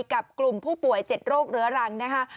กับกลุ่มผู้ป่วยเจ็ดโรคเหลือรังนะคะ